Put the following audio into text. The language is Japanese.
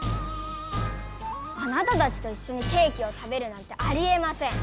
あなたたちといっしょにケーキを食べるなんてありえません！